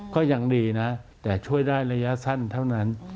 ก็ยังดีนะแต่ช่วยได้ระยะสั้นเท่านั้น